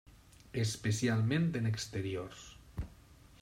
Especialment en exteriors.